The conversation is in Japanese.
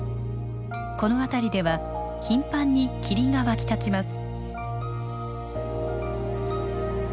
この辺りでは頻繁に霧が湧き立ちます。